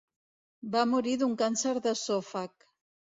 Va morir d'un càncer d'esòfag.